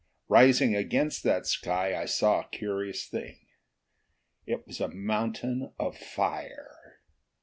Rising against that sky I saw a curious thing. It was a mountain of fire!